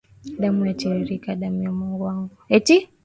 Damu yatiririka damu ya Mungu wangu.